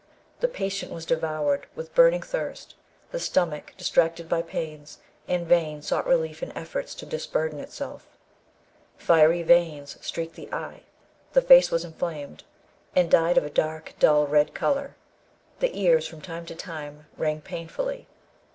The patient was devoured with burning thirst. The stomach, distracted by pains, in vain sought relief in efforts to disburden itself. Fiery veins streaked the eye; the face was inflamed, and dyed of a dark dull red colour; the ears from time to time rang painfully.